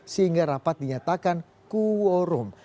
sehingga rapat dinyatakan kuorum